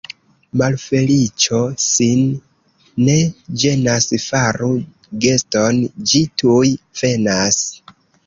Malfeliĉo sin ne ĝenas, faru geston — ĝi tuj venas.